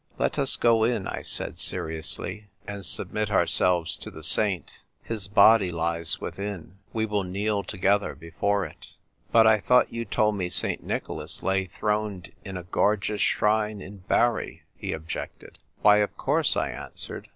"Let us go in," I said seriously, " and submit our selves to the saint. His body lies within. We will kneel together before it." " But I thought you told me St. Nicholas lay throned in a gorgeous shrine at Bari?" he objected. " Why, of course," I answered.